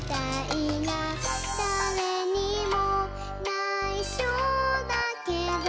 「だれにもないしょだけど」